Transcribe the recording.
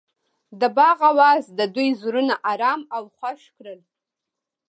د باغ اواز د دوی زړونه ارامه او خوښ کړل.